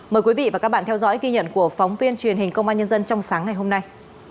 mời quý vị và các bạn theo dõi ghi nhận của phóng viên truyền hình công an nhân dân trong sáng ngày hôm nay